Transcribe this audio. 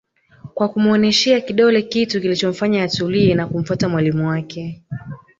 Kwa kumuoneshea kidole kitu kilichomfanya atulie na kumfuata mwalimu wake